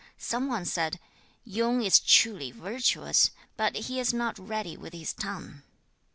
Some one said, 'Yung is truly virtuous, but he is not ready with his tongue.'